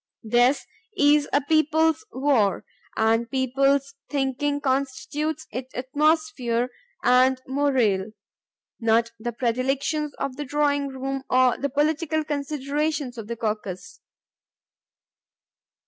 This is a peoples' war, and the peoples' thinking constitutes its atmosphere and morale, not the predilections of the drawing room or the political considerations of the caucus.